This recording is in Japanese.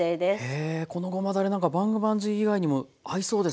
へえこのごまだれ何かバンバンジー以外にも合いそうですね！